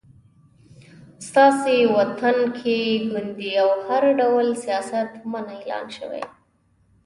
ستاسې وطن کې ګوندي او هر ډول سیاست منع اعلان شوی